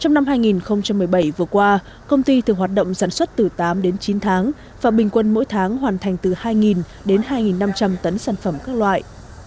trong năm hai nghìn một mươi bảy vừa qua công ty thường hoạt động sản xuất từ tám đến chín tháng và bình quân mỗi tháng hoàn thành từ hai đến hai năm trăm linh tấn sản phẩm các loại